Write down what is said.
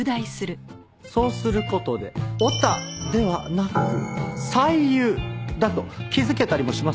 そうする事で「オタ」ではなく「才夕」だと気づけたりもしますので。